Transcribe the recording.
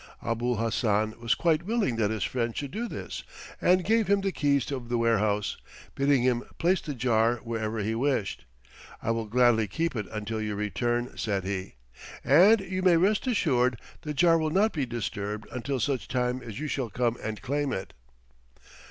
Abul Hassan was quite willing that his friend should do this and gave him the keys of the warehouse, bidding him place the jar wherever he wished. "I will gladly keep it until you return," said he, "and you may rest assured the jar will not be disturbed until such time as you shall come and claim it."